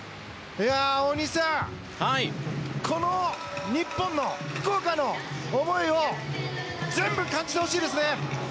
大西さんこの日本の福岡の思いを全部感じてほしいですね。